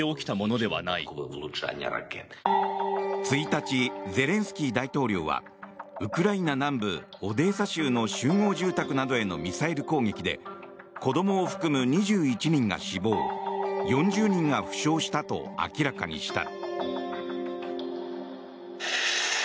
１日、ゼレンスキー大統領はウクライナ南部オデーサ州の集合住宅などへのミサイル攻撃で子どもを含む２１人が死亡４０人が負傷したと明らかにした。